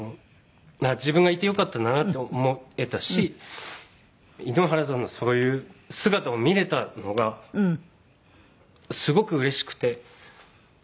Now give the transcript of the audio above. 自分がいてよかったんだなって思えたし井ノ原さんのそういう姿を見れたのがすごくうれしくて。